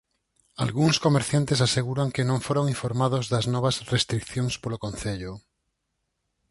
Algúns comerciantes aseguran que non foron informados das novas restricións polo concello.